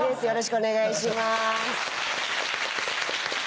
よろしくお願いします。